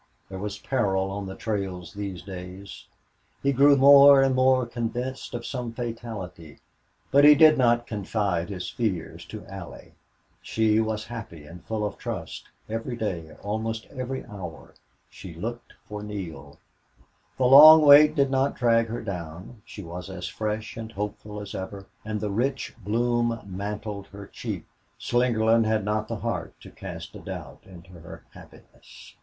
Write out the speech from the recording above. There was peril on the trails these days. He grew more and more convinced of some fatality, but he did not confide his fears to Allie. She was happy and full of trust; every day, almost every hour, she looked for Neale. The long wait did not drag her down; she was as fresh and hopeful as ever and the rich bloom mantled her cheek. Slingerland had not the heart to cast a doubt into her happiness.